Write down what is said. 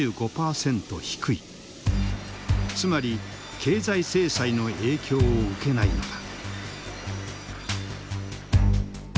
つまり経済制裁の影響を受けないのだ。